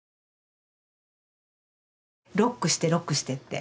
「ロックしてロックして」って。